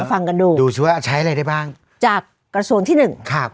ฟังกันดูดูสิว่าใช้อะไรได้บ้างจากกระทรวงที่หนึ่งครับ